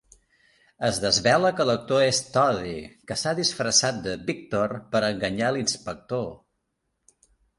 Es desvela que l'actor és Toddy, que s'ha disfressat de "Víctor" per enganyar l'inspector.